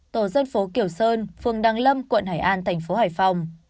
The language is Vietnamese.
tổ dân phố kiểu sơn phường đăng lâm quận hải an thành phố hải phòng